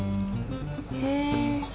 へえ